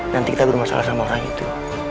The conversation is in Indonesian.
nanti kita bermasalah sama orang itu